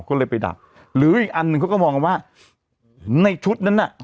ก็เลยไปดักหรืออีกอันหนึ่งเขาก็มองกันว่าในชุดนั้นน่ะ